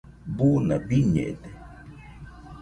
buna biñede